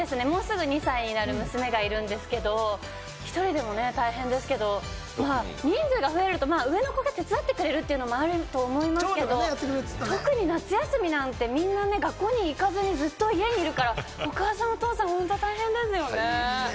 ２歳になる娘がいるんですけれども、１人でも大変ですけれども、人数が増えると上の子たちが手伝ってくれるのはあると思いますけれども、特に夏休みなんて、みんな学校に行かずに、ずっと家にいるから、お母さん、お父さん本当、大変なんだよね。